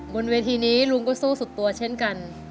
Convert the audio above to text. บนเวทีนี้ลุงก็สู้สุดตัวเช่นกัน